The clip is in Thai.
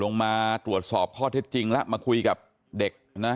ลงมาตรวจสอบข้อเท็จจริงแล้วมาคุยกับเด็กนะ